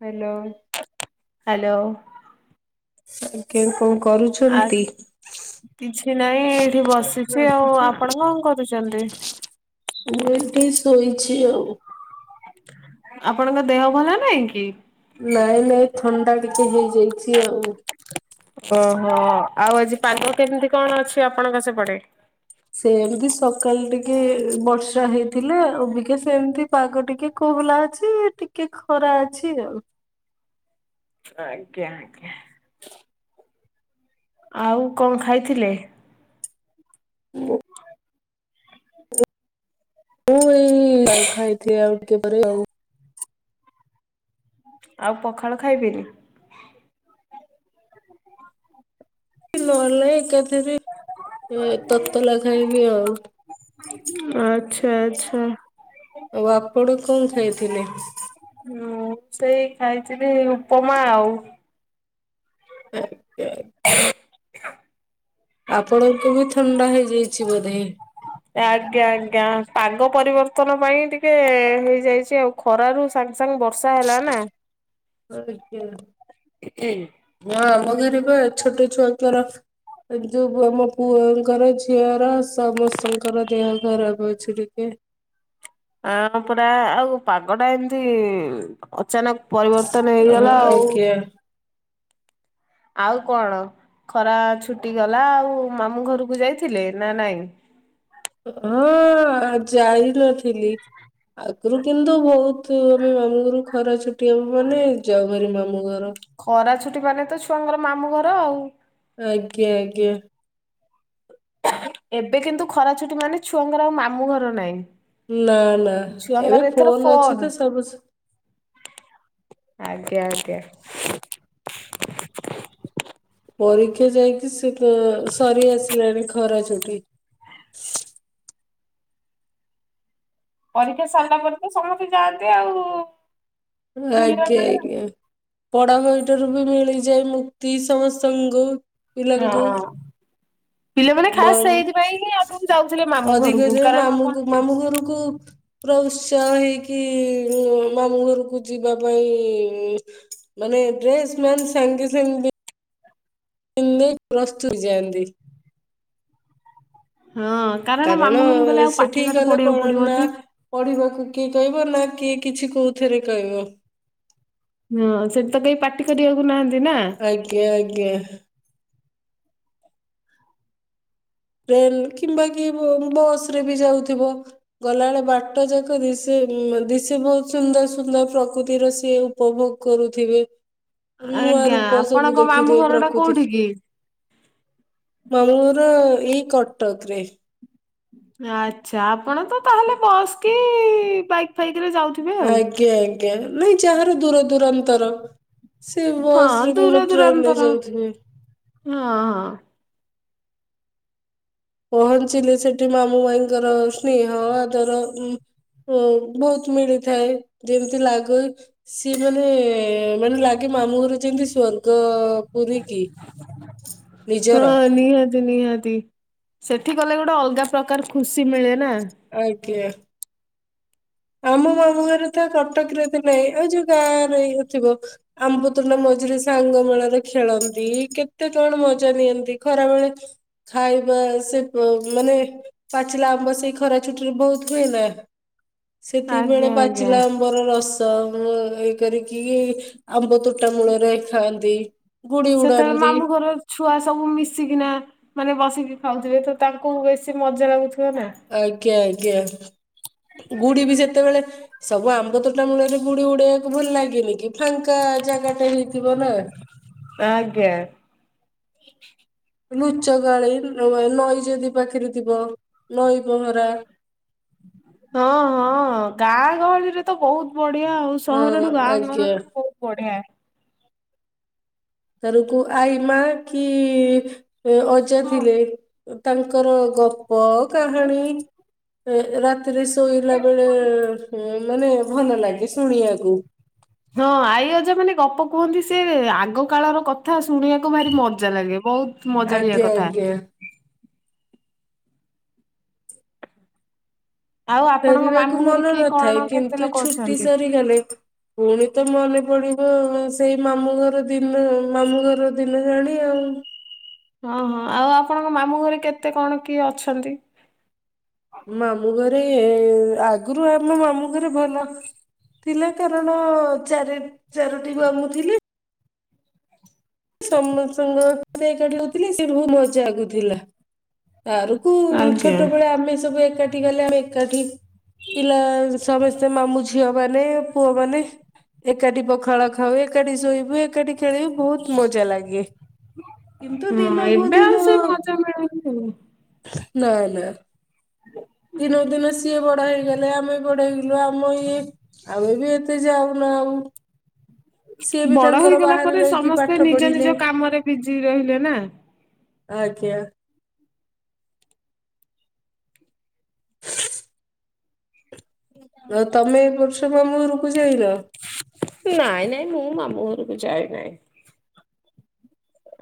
Hello. Hello. କିଏ କଣ ଆଉ କରୁଛନ୍ତି। କିଛି ନାହିଁ ଏଇଠି ବସିଛି ଆଉ ଆପଣ କଣ କରୁଚନ୍ତି। ମୁଁ ଏଇଠି ଶୋଇଛି ଆଉ। ଆପଣଙ୍କ ଦେହ ଭଲ ନାଇଁ କି? ନାଇଁ ନାଇଁ ଥଣ୍ଡା ଟିକେ ହେଇଯାଇଛି ଆଉ। ଓହୋ ଆଉ ଆଜି ପାଗ କେମିତି କଣ ଅଛି ଆପଣଙ୍କ ସେପଟେ। ସେ ଏମିତି ସ କାଲି ଟିକେ ବର୍ଷା ହେଇଥିଲା ଅବିକା ସେମିତି ପାଗ ଟିକେ ଖୋହଲା ଅଛି ଟି ଟିକେ ଖରା ଅଛି ଆଉ। ଆଜ୍ଞା ଆଜ୍ଞା। ଆଉ କଣ ଖାଇଥିଲେ। ମୁଁ। ମୁଁ ଏଇ ଖାଇଥିଲି ଆଉ ଟିକେ ପରେ ଆଉ। ଆଉ ପଖାଳ ଖାଇବେନି। ନହେଲେ ନାହିଁ ଏକାଥରେ। ଏ ତତଲା ଖାଇବି ଆଉ। ଆଚ୍ଛା। ଆଚ୍ଛା। ଆଉ ଆପଣ କଣ ଖାଇଥିଲେ? ହୁଁ ସେଇ ଖାଇଥିଲି ଉପମା ଆଉ। ଆଜ୍ଞା ଆଜ୍ଞା। ଆପଣଙ୍କୁ ବି ଥଣ୍ଡା ହେଇଯାଇଛି ବୋଧେ? ଆଜ୍ଞା ଆଜ୍ଞା। ପାଗ ପରିବର୍ତ୍ତନ ପାଇଁ ଟିକେ ହେଇଯାଇଛି ଆଉ। ଖରା ରୁ ସାଙ୍ଗେ ସାଙ୍ଗେ ବର୍ଷା ହେଲା ନା। ଆଜ୍ଞା ଆ ଆମ ଘରେ ବା ଛୋଟ ଛୁଆଙ୍କର ଯୋଗୁଁ ଆମ ପୁଅଙ୍କର ଝିଅର ସମସ୍ତଙ୍କର ଦେହ ଖରାପ ଅଛି ଟିକେ। ଆ ହଁ ପରା ଆଉ ପାଗ ଟା ଏମିତି ଅଚାନକ ପରିବର୍ତ୍ତନ। ପରିବର୍ତ୍ତନ ଅ ହେଇଗଲା ଆଉ। ଆଜ୍ଞା ଆଉ କଣ ଖରା ଛୁଟି ଗଲା ଆଉ ମାମୁଁ ଘରକୁ ଯାଇଥିଲେ ନା ନାଇଁ? ହଁ ଆ ଯାଇନଥିଲି ଆଉ। ଘରୁ କିନ୍ତୁ ବହୁତ ଆମେ ମାମୁଁ ଘରୁ ଖରା ଛୁଟି ହବ ମାନେ ଯାଉ ଭାରି ମାମୁଁ ଘର। ଖରା ଛୁଟି ମାନେ ତ ଛୁଆଙ୍କର ମାମୁଁ ଘର ଆଉ। ଆଜ୍ଞା ଆଜ୍ଞା। ଏବେ କିନ୍ତୁ ଖରା ଛୁଟି ମାନେ ଛୁଆଙ୍କର ଆଉ ମାମୁଁ ଘର ନାହିଁ। ନା ନା ଏବେ ଛୁଆଙ୍କର ଏଥର ଫୋନ୍ ଫୋନ। ଅଛି ତ ସବୁ। ଆଜ୍ଞା ଆଜ୍ଞା। ପରୀକ୍ଷା ଯାଇକି ସେତ ସରି ଆସିଲାଣି ଖରା ଛୁଟି ପରୀକ୍ଷା ସାରିଲା ପରେ ତ ସମସ୍ତେ ଯାଆନ୍ତି ଆଉ। ବୁଲିବା ଆଜ୍ଞା ପାଇଁ ଆଉ। ଆଜ୍ଞା। ପଡା ବହିଠାରୁ ବି ମିଳିଯାଏ ମୁକ୍ତି ସମସ୍ତଙ୍କୁ ପିଲାଙ୍କୁ। ହଁ ପିଲାମାନେ ଖାସ୍ ମାମୁ ସେଇଥିପାଇଁ ହିଁ ଆଗରୁ ଯାଉଥିଲେ ମାମୁଁ ଅଧିକ ଘରକୁ ଯାଏ କାରଣ କଣ ମାମୁଁକୁ ମାମୁଁ ଘରକୁ। ପୁରା ଉତ୍ସାହ ହେଇକି ମାମୁଁ ଘରକୁ ଯିବା ପାଇଁ ମାନେ ଡ୍ରେସ୍ ମାନ୍ ସାଙ୍ଗେ ସାଙ୍ଗେ। ପିନ୍ଧିଦେଇ ପ୍ରସ୍ତୁତ ହୋଇଯାନ୍ତି। ହଁ। କାରଣ ମାମୁଁ ଘରକୁ ଗଲେ ଆଉ ପାଠ ସେଠିକି ସାଠ ଗଲେ ପଢିବାକୁ ପଢନା। ପଡିବନି। ପଢିବାକୁ କିଏ କହିବ ନା କିଏ କିଛି କୋଉଥିରେ କହିବ? ହଁ ସେଠି ତ କେହି ପାଟି କରିବାକୁ ନାହାନ୍ତି ନା। ଆଜ୍ଞା ଆଜ୍ଞା। ଟ୍ରେନ୍ କିମ୍ବା କିଏ ବସରେ ବି ଯାଉଥିବ। ଗଲା ବେଳେ ବାଟ ଯାକ ଦିଶେ ଦିଶିବ ବହୁତ ସୁନ୍ଦର ସୁନ୍ଦର ପ୍ରକୃତିର ସିଏ ଉପଭୋଗ କରୁଥିବେ ନୂଆ ଆଜ୍ଞା ରୂପ ସବୁ ଆପଣଙ୍କ ମାମୁଁ ଦେଖୁଥିବେ ଘର ଟା ପ୍ରକୃତି। କୋଉଠି କି? ମାମୁଁ ଘର ଏଇ କଟକରେ। ଆଚ୍ଛା ଆପଣ ତ ତାହେଲେ ବସ୍ କି ବାଇକ୍ ଫାଇକରେ ଯାଉଥି ଆଜ୍ଞା ଆଜ୍ଞା ନାଇଁ ଯାହାର ଦୂର ଦୂରାନ୍ତର ସେ ହଁ ବସରେ ଦୂର କିମ୍ବା ଟ୍ରେନ୍ ରେ ଦୂରାନ୍ତର ଯାଉଥିବେ। ହଁ ହଁ। ପହଞ୍ଚିଲେ ସେଠି ମାମୁଁ ମାଇଁଙ୍କର ସ୍ନେହ ଆଦର। ଅ ବହୁତ ମିଳିଥାଏ ଯେମିତି ଲାଗେ ସିଏ ମାନେ ମାନେ ଲାଗେ ମାମୁଁ ଘରେ ଯେମତି ଦୁଆରୁ ପୁରୀକି ନିଜର ହଁ ନିହାତି ନିହାତି। ସେଠି ଗଲେ ଗୋଟେ ଅଲଗା ପ୍ରକାର ଖୁସି ମିଳେ ନା ଆଜ କିି ଆମ ମାମୁ ଘରେ ତ କଟକରେ ଥିଲେ ଆଉ ଯୋଉ ଗାଁରେଇଥିବ ଆମ୍ବତୁଲା ମଝିରେ ସାଙ୍ଗ ମେଳାରେ ଖେଳନ୍ତି କେତେ କଣ ମଜା ନିଅନ୍ତି ଖରାବେଳେ ଖାଇବା ସେ ମ ମାନେ ପାଚିଲା ଆମ୍ବ ସେଇ ଖରା ଛୁଟି ରେ ବହୁତ ହୁଏନା? ସେତିକି ବେଳେ ଆଜ୍ଞା ଆଜ୍ଞା। ପାଚିଲା ଆ ଆମ୍ୱର ରସ ଏଇ କରିକି ଆମ୍ବ ତୁଟା ମୂଳରେ ଖାଆନ୍ତି। ଗୁଡି ସେତେବେଳେ ଉଡ଼ାନ୍ତି। ମାମୁଁ ଘର ଛୁଆ ସବୁ ମିଶିକିନା ମାନେ ବସିକି ଖାଉଥିବେ ତ ତାଙ୍କୁ ବେଶୀ ମଜା ଲାଗୁଥିବ ନା। ଆଜ୍ଞା ଆଜ୍ଞା। ଗୁଡି ବି ଯେତେବେଳେ ସବୁ ଆମ୍ବ ତୋଟା ମୂଳରେ ଗୁଡି ଉଡେଇବାକୁ ଭଲ ଲାଗେନି କି ଫାଙ୍କା ଜାଗା ଟା ହେଇଥିବ ନା ଆଜ୍ଞା। ଲୁଚ ଗାଳି ନଈ ଯଦି ପାଖରେ ଥିବ ନଈ ପହଁରା, ହଁ ହଁ ଗାଁ ଗହଳିରେ ତ ବହୁତ ବଢିଆ ଆଉ ହଁ ସହରଠୁ ଗାଁ ଆଜ୍ଞା ଗହଳିରେ ବହୁ ବଢିଆ। ତର କୁ ଆଇ ମା କି ଅଜା ଥିଲେ ତାଙ୍କର ଗପ, କାହାଣୀ ଏରା ରାତିରେ ଶୋଇଲା ବେଳେ ମାନେ ଭଲ ଲାଗେ ଶୁଣିବାକୁ। ହଁ ଆଇ ଅଜା ମାନେ ଗପ କୁହନ୍ତି ସେ ଆଗ କାଳର କଥା ଶୁଣିବାକୁ ଭାରି ମଜା ଲାଗେ। ବହୁତ ମଜାଳିଆ ଆଜ୍ଞା କଥା ଆଜ୍ଞା। ଆଉ ଆପଣଙ୍କ ଫେରିବାକୁ ମାମୁଁ ଘରେ ମନ କିଏ କଣ ନଥାଏ କେତେ କିନ୍ତୁ ଲୋକ ଛୁଟି ଅଛନ୍ତି? ସରିଗଲେ- ଫୁଣି ତ ମନେ ପଡିବ ସେଇ ମାମୁଁ ଘର ଦିନ ମାମୁଁ ଘର ଦିନ ଜାଣି ଆଉ ହଁ ହଁ। ଆଉ ଆପଣଙ୍କ ମାମୁଁ ଘରେ କେତେ କଣ କିଏ ଅଛନ୍ତି? ମାମୁଁ ଘରେ ଆଗରୁ ଆମ ମାମୁଁ ଘରେ ଭଲ ଥିଲା କାରଣ ଚାରି ଚାରୋଟି ବ ମାମୁ ଥିଲେ ସମସ୍ତଙ୍କାଥିଲେ ସେଠୁ ବହୁତ ମଜା ଆଗୁଥିଲା। ତରକୁ ଆଜ୍ଞା ଛୋଟବେଳେ ଆମେ ସବୁ ଏକାଠି ଗଲେ ଆମେ ଏକାଠି ପିଲା ସମସ୍ତେ ମାମୁ ଝିଅ ମାନେ ପୁଅ ମାନେ ଏକାଠି ପଖାଳ ଖାଉ ଏକାଠି ଶୋଇବୁ ଏକାଠି ଖେଳିବୁ ବହୁତ ବହୁତ ମଜା ଲାଗେ ଏମତି ହଁ ଦିନ ଗୋ ଏବେ ଆଉ ଦିନ ସେ ମଜା ମିଳୁନି ଆଉ। ନା ନା। ଦିନକୁ ଦିନ ସିଏ ବଡ ହେଇଗଲେ ଆମେ ବଡ ହେଇଗଲୁ ଆମ ଇଏ ଆମେ ବି ଏତେ ଯାଉ ନାଉ। ବଡ ହେଇଗଲା ପରେ ରହିକି ସମସ୍ତେ ପାଠ ନିଜ ପଢିଲେ। ନିଜ କାମରେ ବିଜି ରହିଲେ ନା ଆଜ୍ଞା। ଆଉ ତମେ ଏ ବର୍ଷ ମାମୁଁ ଘରକୁ ଯାଇନ? ନାଇଁ ନାଇଁ ମୁଁ ମାମୁଁ ଘରକୁ ଯାଏ ନାହିଁ।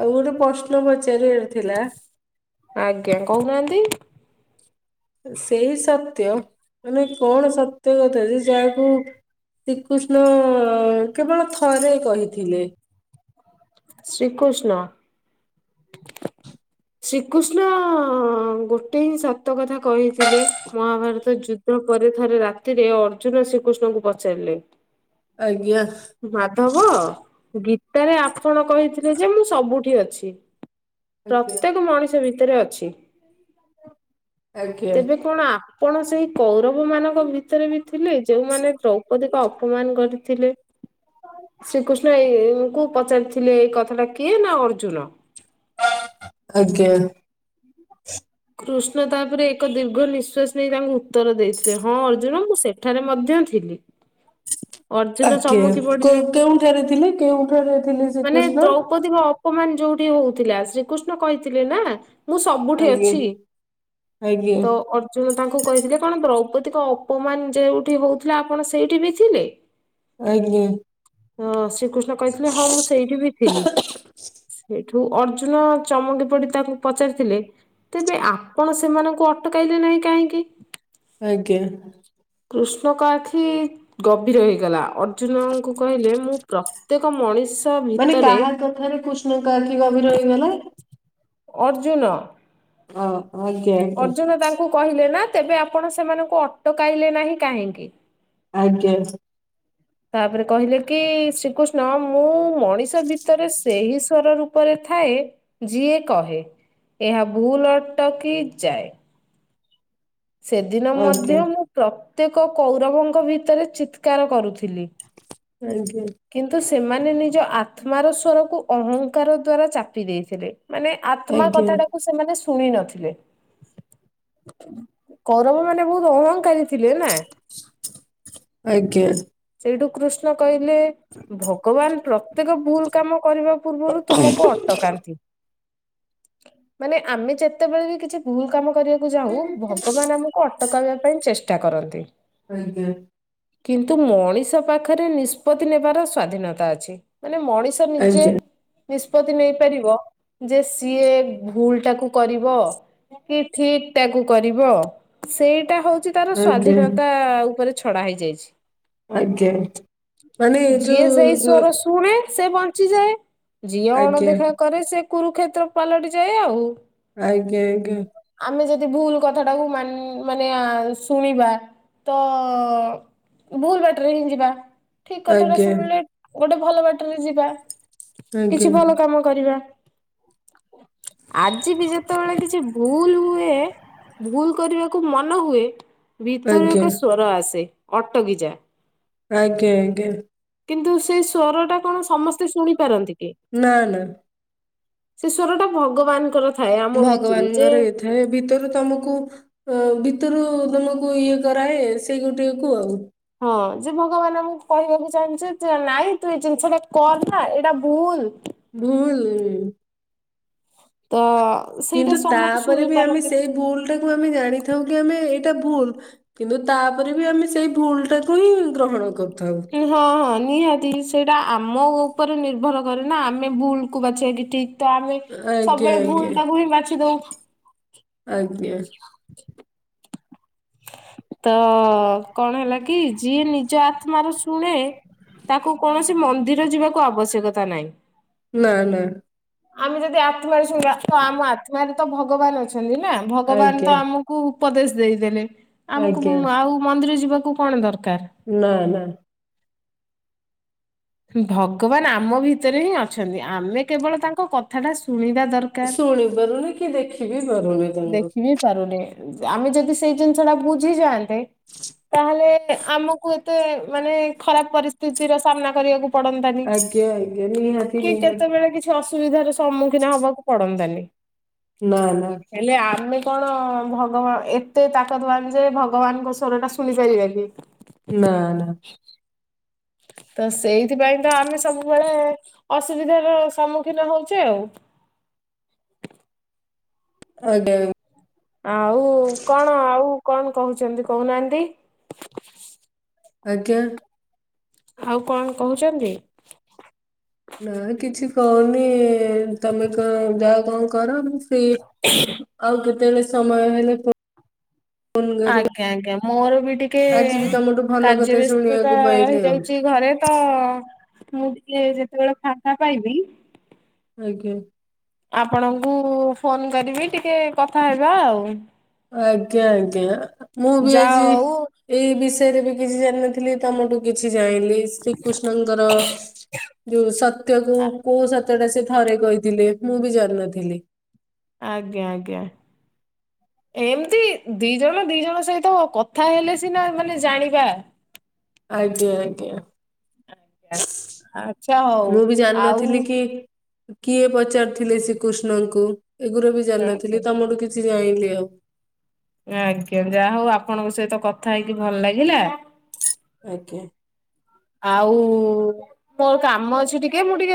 ଆଉ ଗୋଟେ ପ୍ରଶ୍ନ ପଚାରିବାର ଥିଲା ଆଜ୍ଞା କହୁନାହାନ୍ତି। ସେଇ ସତ୍ୟ ମାନେ କଣ ସତ୍ୟ କଥା ଯେ ଯାହାକୁ ଶ୍ରୀକୃଷ୍ଣ କେବଳ ଥରେ କହିଥିଲେ? ଶ୍ରୀକୃଷ୍ଣ ଶ୍ରୀକୃଷ୍ଣ ଗୋଟେ ହିଁ ସତ କଥା କହିଥିଲେ ମହାଭାରତ ଯୁଦ୍ଧ ପରେ ଥରେ ରାତିରେ ଅର୍ଜୁନ ଶ୍ରୀକୃଷ୍ଣଙ୍କୁ ପଚାରିଲେ ଆଜ୍ଞା। ମାଧବ ଗୀତାରେ ଆପଣ କହିଥିଲେ ଯେ ମୁଁ ସବୁଠି ଅଛି ଆଜ୍ଞା ପ୍ରତ୍ୟେକ ମଣିଷ ଭିତରେ ଅଛି ଆଜ୍ଞା ତେବେ କଣ ଆ କଣ ସେଇ କୌରବ ମାନଙ୍କ ଭିତରେ ବି ଥିଲେ ଯୋଉମାନେ ଦ୍ରୌପଦୀକୁ ଅପମାନ କରିଥିଲେ? ଶ୍ରୀକୃଷ୍ଣ ଏଇ ଙ୍କୁ ପଚାରିଥିଲେ ଏଇ କଥା ଟା କିଏ ନା ଅର୍ଜୁନ। ଆଜ୍ଞା। କୃଷ୍ଣ ତାପରେ ଏକ ଦୀର୍ଘ ନିଶ୍ୱାସ ନେଇ ତାଙ୍କୁ ଉତ୍ତର ଦେଇଥିଲେ ହଁ ଅର୍ଜୁନ ମୁଁ ସେଠାରେ ମଧ୍ୟ ଥିଲି। [inaudible] ଅର୍ଜୁନ ଆଜ୍ଞା। ଚମକି କ ପଡିଲେ କେଉଁଠାରେ ଥିଲେ କେଉଁଠାରେ ଥିଲେ ଶ୍ରୀକୃଷ୍ଣ? ଦୌପତି ଙ୍କ ଅପମାନ ଯୋଉଠି ହଉଥିଲା ଶ୍ରୀକୃଷ୍ଣ କହିଥିଲେ ନା ମୁଁ ସବୁଠି ଅ ଆଜ୍ଞା ଅଛି ଆଜ୍ଞା ତ ଅଳ୍ ଅର୍ଜୁନ ତାଙ୍କୁ କହିଥିଲେ କଣ ଦ୍ରୌପଦୀଙ୍କ ଅପମାନ ଯେଉଁଠି ହଉଥିଲା ଆପଣ ସେଇଠି ବି ଥିଲେ। ଆଜ୍ଞା ହଁ ଶ୍ରୀକୃଷ୍ଣ କହିଥିଲେ ହଁ ମୁଁ ସେଇଠି ବି ଥିଲି। ସେଇଠୁ ଅର୍ଜୁନ ଚମକି ପଡି ତାକୁ ପଚାରିଥିଲେ। ତେବେ ଆପଣ ସେମାନଙ୍କୁ ଅଟକାଇଲେ ନାହିଁ କାହିଁକି? ଆଜ୍ଞା କୃଷ୍ଣଙ୍କ ଆଖି ଗଭୀର ହେଇଗଲା ଅର୍ଜୁନଙ୍କୁ କହିଲେ ମୁଁ ପ୍ରତ୍ୟେକ ମଣି ମାନେ କାହା କଥାରେ କୃଷ୍ଣଙ୍କ ଆଖି ଗଭୀର ହୋଇଗଲା। ଅର୍ଜୁନ ହଁ ଆଜ୍ଞା ଆଜ୍ଞା ଙ୍କୁ କହିଲେ ନା ତେବେ ଆପଣ ସେମାନଙ୍କୁ ଅଟକାଇଲେ ନାହିଁ କାହିଁକି? ଆଜ୍ଞା ତାପରେ କହିଲେ କି ଶ୍ରୀକୃଷ୍ଣ ମୁଁ ମଣିଷ ଭିତରେ ସେହି ଈଶ୍ୱର ରୂପରେ ଥାଏ ଯିଏ କହେ ଏହା ଭୁଲ ଅଟକି ଯାଏ। ସେଦିନ ଆଜ୍ଞା ମଧ୍ୟ ମୁଁ ପ୍ରତ୍ୟେକ କୌରବଙ୍କ ଭିତରେ ଚିତ୍କାର କରୁଥିଲି। ଆଜ୍ଞା କିନ୍ତୁ ସେମାନେ ନିଜ ଆତ୍ମାର ସ୍ୱରକୁ ଅହଙ୍କାର ଦ୍ଵାରା ଚାପି ଦେଇଥିଲେ ମାନେ ଆତ୍ମା ଆଜ୍ଞା କଥାଟାକୁ ସେମାନେ ଶୁଣି ନଥିଲେ। [inaudible] କୌରବମାନେ ବହୁତ ଅହଙ୍କାରୀ ଥିଲେ ନା। [inaudible] ଆଜ୍ଞା ସେଇଠୁ କୃଷ୍ଣ କହିଲେ ଭଗବାନ ପ୍ରତ୍ୟେକ ଭୁଲ କାମ କରିବା ପୂର୍ବରୁ ତୁମକୁ ଅଟକାନ୍ତି। ମାନେ ଆମେ ଯେତେବେଳେ ବି କିଛି ଭୁଲ କାମ କରିବାକୁ ଯାଉ ଭଗ ଭଗବାନ ଆମକୁ ଅଟକାଇବା ପାଇଁ ଚେଷ୍ଟା କରନ୍ତି। ଆଜ୍ଞା କିନ୍ତୁ ମଣିଷ ପାଖରେ ନିଷ୍ପତ୍ତି ନେବାର ସ୍ଵାଧୀନତା ଅଛି ମାନେ ମଣିଷ ନିଜେ ଆଜ୍ଞା ନିଷ୍ପତ୍ତି ନେଇପାରିବ ଯେ ସିଏ ଭୁଲ ଟାକୁ କରିବ କି ଠିକ ଟାକୁ କରିବ ସେଇଟା ହଉଚି ତାର ଆଜ୍ଞା ସ୍ଵାଧୀନତା ଉପରେ ଛଡା ହେଇଯାଇଚି। ଆଜ୍ଞା ମାନେ ଏ ଯିଏ ସେଇ ଯୋଉ ସ୍ଵର ଶୁଣେ ସେ ବଞ୍ଚିଯାଏ। ଝିଏ ଆଜ୍ଞା ଅଣଦେଖା କରେ ସେ କୁରୁକ୍ଷେତ୍ର ପାଲଟି ଯାଏ ଆଉ। ଆଜ୍ଞା ଆଜ୍ଞା ଆମେ ଯଦି ଭୁଲ କଥା ଟାକୁ ମନ୍ ମାନେ ଶୁଣିବା ତ ଭୁଲ ବାଟରେ ହିଁ ଯିବା ଠିକ କଥାଟା ଆଜ୍ଞା ଶୁଣିଲେ ଗୋଟେ ଭଲ ବାଟରେ ଯିବା। ଆଜ୍ଞା କିଛି ଭଲ କାମ କରିବା। ଆଜି ବି ଯେତେବେଳେ କିଛି ଭୁଲ ହୁଏ ଭୁଲ କରିବାକୁ ମନ ହୁଏ। ଭିତରୁ ଆଜ୍ଞା ଏକ ସ୍ଵର ଆସେ ଅଟଗିଯା। ଆଜ୍ଞା ଆଜ୍ଞା କିନ୍ତୁ ସେଇ ସ୍ଵରଟା କଣ ସମସ୍ତେ ଶୁଣି ପାରନ୍ତି କି? ନା ନା ସେ ଶ୍ଵର ଟା ଭଗବାନଙ୍କର ଥାଏ ଆମ ଭିତରୁ ଯେ ଏ ଭିତରୁ ତମକୁ ଅ ଭିତରୁ ତମକୁ ଇଏ କରାଏ ସେଇ ଗୋଟେକୁ ଆଉ ହଁ ଯେ ଭଗବାନ ଆମକୁ କହିବାକୁ ଚାହାଁନ୍ତି ଯେ ନାଇଁ ତୁ ଏଇ ଜିନିଷ ଟା କରନା ଏଇଟା ଭୁଲ। ଭୁଲ ତ ସେଇଟା କିନ୍ତୁ ସମସ୍ତେ ତାପରେ ଶୁଣି ବି ଆମେ ପାରନ୍ତିନି। ସେଇ ଭୁଲ ଟାକୁ ଆମେ ଜାଣିଥାଉ କି ଆମେ ଏଇଟା ଭୁଲ କିନ୍ତୁ ତାପରେ ବି ଆମେ ସେଇ ଭୁଲ ଟାକୁ ହିଁ ଗ୍ରହଣ କରିଥାଉ। ହଁ ହଁ ନିହାତି ସେଇଟା ଆମ ଉପରେ ନିର୍ଭର କରେ ନା ଆମେ ଭୁଲକୁ ବାଛିବା କି ଠିକ୍। ତ ଆମେ ଆଜ୍ଞା ସବୁବେଳେ ଆଜ୍ଞା ଭୁଲ ଟା କି ହି ବାଛି ଦୋଉ। ଆଜ୍ଞା। ତ କଣ ହେଲା କି ଯିଏ ନିଜ ତ୍ମାର ଶୁଣେ ତାକୁ କୌଣସି ମନ୍ଦିର ଯିବାକୁ ଆବଶ୍ୟକତା ନାହିଁ। ନା ନା। ଆମେ ଯଦି ଆତ୍ମାରେ ଶୁଣିବା ତ ଆମ ଆତ୍ମାରେ ତ ଭଗବାନ ଅଛନ୍ତି ନା ଭଗବାନ ଆଜ୍ଞା ତ ଆମ କୁ ଉପଦେଶ ଦେଇଦେଲେ ଆମକୁ କୁ ଆଜ୍ଞା ଆଉ ମନ୍ଦିର ଯିବାକୁ କଣ ଦରକାର। ନା ନା। ଭଗବାନ ଆମ ଭିତରେ ହିଁ ଅଛନ୍ତି ଆମେ କେବଳ ତାଙ୍କ କଥାଟା ଶୁଣିବା ଦରକା ଶୁଣି ପାରୁନି କି ଦେଖି ବି ପାରୁନି ତାଙ୍କୁ। ପାରୁନି ଆମେ ଯଦି ସେଇ ଜିନିଷ ଟା ବୁଝି ଯାଆନ୍ତେ ତାହେଲେ ଆମକୁ ଏତେ ମାନେ ଖରାପ ପରିସ୍ଥିତିର ସାମ୍ନା କରିବାକୁ ପଡନ୍ତାନି ଆଜ୍ଞା ଆଜ୍ଞା ନିହାତି କି ନିହାତି କେତେବେଳେ କିଛି ଅସୁବିଧାର ସମ୍ମୁଖୀନ ହବାକୁ ପଡନ୍ତାନି। ନା ନା। ହେଲେ ଆମେ କଣ ଭଗବାନ ଏତେ ତାକତବାନ ଯେ ଭଗବାନଙ୍କ ସ୍ଵର ଟା ଶୁଣି ପାରିବା କି? ନା ନା। ତ ସେଇଥିପାଇଁ ତ ଆମେ ସବୁବେଳେ ଅସୁବିଧାର ସମ୍ମୁଖୀନ ହଉଛେ ଆଉ। ଆଜ୍ଞା। ଆଉ କଣ ଆଉ କଣ କହୁଛନ୍ତି କହୁନାହାନ୍ତି। ଆଜ୍ଞା। ଆଉ କଣ କହୁଛନ୍ତି। ନା କିଛି କହୁନି ତମେ କଣ ଯାଅ କଣ କର। ଫ୍ରି ଆଉ କେତେବେଳେ ସମୟ ହେଲେ କ ଆଜ୍ଞା ଆଜ୍ଞା ମୋର ବି ଟିକେ ଆଜି ବି ତମଠୁ ଭଲ କାର୍ଯ୍ୟ କଥା ବ୍ୟସ୍ତତା ଶୁଣିବାକୁ ପାଇଲି ଆଉ ରହିଯାଉଛି ଘରେ। ତ ମୁଁ ଟିକେ ଯେତେବେଳେ ଫାଙ୍କା ପାଇବି ଆଜ୍ଞା। ଆପଣଙ୍କୁ ଫୋନ କରିବି ଟିକେ କଥା ହେବା ଆଉ। ଆଜ୍ଞା ଆଜ୍ଞା ମୁଁ ବି ଯାହା ଆଜି ହଉ ଏଇ ବିଷୟରେ ବି କିଛି ଜାଣିନଥିଲି ତମଠୁ କିଛି ଜାଣିଲି ଶ୍ରୀକୃଷ୍ଣଙ୍କର ଯୋଉ ସତ୍ୟ କୁ କୋଉ ସତ୍ଯ ତଟା ସେ ଥରେ କହିଥିଲେ ମୁଁ ବି ଜାଣିନଥିଲି। ଆଜ୍ଞା ଆଜ୍ଞା। ଏମିତି ଦି ଜଣ ଦି ଜଣ ସହିତ କଥା ହେଲେ ସିନା ମାନେ ଜାଣିବା। ଆଜ୍ଞା ଆଜ୍ଞା। ଆଚ୍ଛା ହଉ ମୁଁ ବି ଆଉ ଜାଣିନଥିଲି କି କିଏ ପଚାରିଥିଲେ ଶ୍ରୀକୃଷ୍ଣଙ୍କୁ ଏଗୁରୁ ବି ଆଜ୍ଞା। ଜାଣିନଥିଲି ତମଠୁ କିଛି ଜାଣିଲି ଆଉ। ଆଜ୍ଞା ଯାହା ହଉ ଆପଣଙ୍କ ସହିତ କଥା ହେଇକି ଭଲ ଲାଗିଲା। ଆଜ୍ଞା। ଆଉ ମୋର କାମ ଅଛି ଟିକେ ମୁଁ ଟିକେ